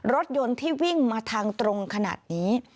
รถยนต์ที่วิ่งมาทางตรงขนาดนี้